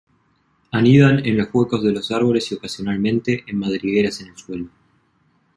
Anidan en los huecos de los árboles y ocasionalmente en madrigueras en el suelo.